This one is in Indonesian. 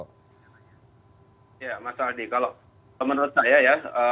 ya mas aldi kalau menurut saya ya